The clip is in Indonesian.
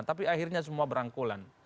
tapi akhirnya semua berangkulan